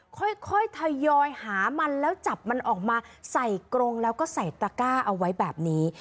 ค่อยทยอยหามันแล้วจับมันออกมาใส่กรงแล้วก็ใส่ตระก้าเอาไว้แบบนี้